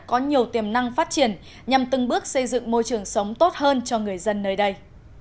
có nhiều tiềm năng phát triển nhằm từng bước xây dựng môi trường sống tốt hơn cho người dân nơi đây